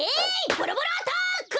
ボロボロアタック！